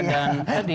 dari pak suryo tadi